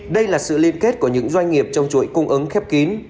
đây là sự liên kết của những doanh nghiệp trong chuỗi cung ứng khép kín